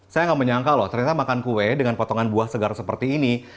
saya nggak menyangka loh ternyata makan kue dengan potongan buah segar seperti ini